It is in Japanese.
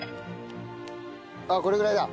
ああこれぐらいだ。